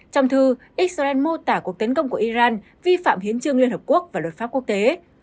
trong thư israel mô tả cuộc tấn công của iran vi phạm hiến trương liên hợp quốc và luật pháp quốc tế